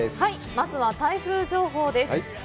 まずは台風情報です。